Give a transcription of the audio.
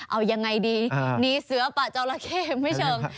เอายังไงดีหนีเสือป่าจอราเข้ไม่เชิง